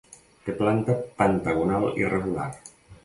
Té planta pentagonal irregular.